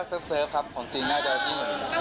โอ้โหอันนี้แค่เสิร์ฟครับของจริงน่าจะดีเลย